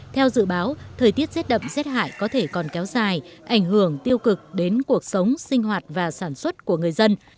theo dự báo thời tiết rét đậm rét hại có thể còn kéo dài ảnh hưởng tiêu cực đến cuộc sống sinh hoạt và sản xuất của người dân